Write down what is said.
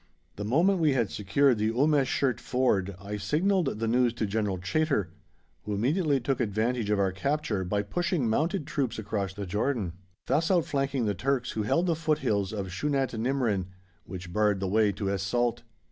The moment we had secured the Umm esh Shert Ford I signalled the news to General Chaytor, who immediately took advantage of our capture by pushing mounted troops across the Jordan, thus outflanking the Turks who held the foothills of Shunat Nimrin, which barred the way to Es Salt.